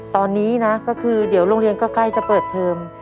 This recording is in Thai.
ตอนนี้นะก็คือเดี๋ยวโรงเรียนก็ใกล้จะเปิดเทอม